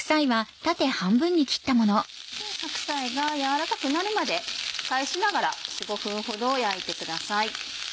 白菜が軟らかくなるまで返しながら４５分ほど焼いてください。